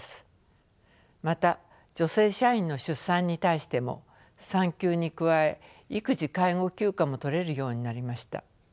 また女性社員の出産に対しても産休に加え育児介護休暇も取れるようになりました。